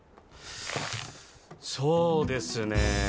そうですねえ